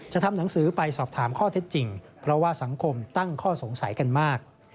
ทำหนังสือไปสอบถามข้อเท็จจริงเพราะว่าสังคมตั้งข้อสงสัยกันมาก